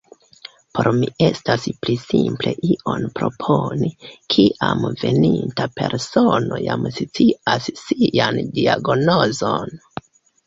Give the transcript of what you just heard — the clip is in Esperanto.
Por mi estas pli simple ion proponi, kiam veninta persono jam scias sian diagnozon.